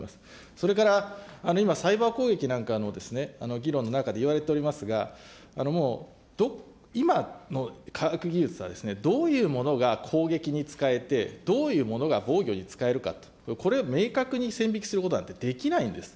それから今、サイバー攻撃なんかの議論の中で言われておりますが、もう今の科学技術は、どういうものが攻撃に使えて、どういうものが防御に使えるか、これ、明確に線引きすることなんてできないんです。